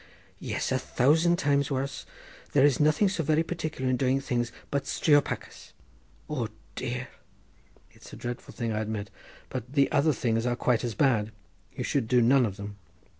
Yes a thousand times worse; there is nothing so very particular in doing them things, but striopachas—O dear!" "It's a dreadful thing I admit, but the other things are quite as bad; you should do none of them."